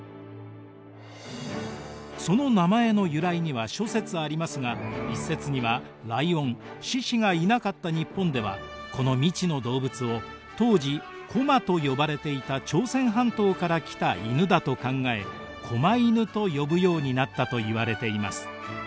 その名前の由来には諸説ありますが一説にはライオン獅子がいなかった日本ではこの未知の動物を当時高麗と呼ばれていた朝鮮半島から来た犬だと考え狛犬と呼ぶようになったといわれています。